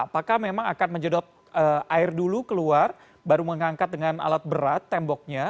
apakah memang akan menjedot air dulu keluar baru mengangkat dengan alat berat temboknya